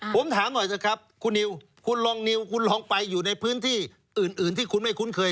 ผมถามหน่อยเถอะครับคุณนิวคุณลองนิวคุณลองไปอยู่ในพื้นที่อื่นที่คุณไม่คุ้นเคย